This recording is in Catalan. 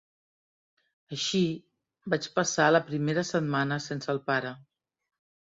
Així vaig passar la primera setmana sense el pare.